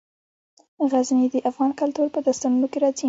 غزني د افغان کلتور په داستانونو کې راځي.